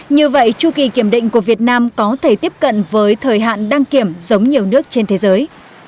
như vậy chu kỳ kiểm định của việt nam có thể tiếp cận với thời hạn đăng kiểm giống nhiều nước trên thế giới